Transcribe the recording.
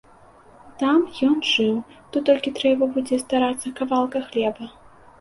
Там ён жыў, тут толькі трэба будзе старацца кавалка хлеба.